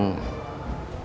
anda tidak bisa berpikir pikir